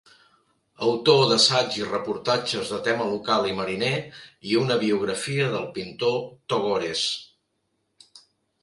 Autor d'assaigs i reportatges de tema local i mariner i una biografia del pintor Togores.